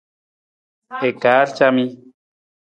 I kaar camii.